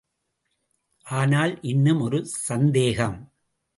ஆனால் இன்னும் ஒரு சந்தேகம்.